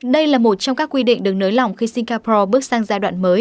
đây là một trong các quy định được nới lỏng khi singapore bước sang giai đoạn mới